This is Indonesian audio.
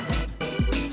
terima kasih bang